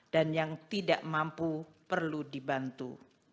dan yang tidak mampu perlu dibantu